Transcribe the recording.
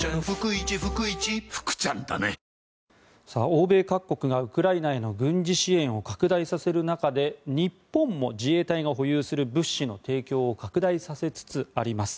欧米各国がウクライナへの軍事支援を拡大させる中で日本も自衛隊が保有する物資の提供を拡大させつつあります。